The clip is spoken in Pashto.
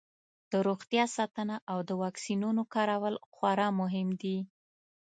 د روغتیا ساتنه او د واکسینونو کارول خورا مهم دي.